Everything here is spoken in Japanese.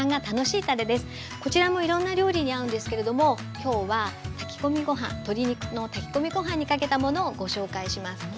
こちらもいろんな料理に合うんですけれども今日は炊き込みご飯鶏肉の炊き込みご飯にかけたものをご紹介します。